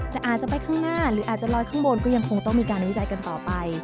แต่อาจจะไปข้างหน้าหรืออาจจะลอยข้างบนก็ยังคงต้องมีการวิจัยกันต่อไป